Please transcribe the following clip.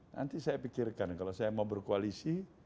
nanti saya pikirkan kalau saya mau berkoalisi